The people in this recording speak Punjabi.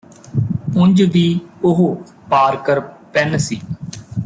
ਉਂਜ ਵੀ ਉਹ ਪਾਰਕਰ ਪੈੱਨ ਸੀ